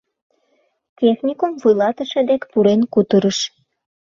Техникум вуйлатыше дек пурен кутырыш.